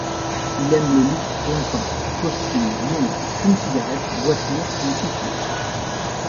Il aime le luxe clinquant: costumes, montres, fume-cigarettes, voitures et ainsi de suite.